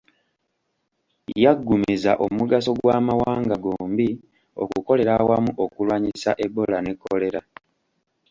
Yaggumiza omugaso gw'amawanga gombi okukolera awamu okulwanyisa Ebola ne kolera.